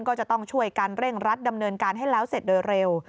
ก็จะต้องช่วยกันเร่งรัดดำเนินการให้แล้วเสร็จโดยเร็ว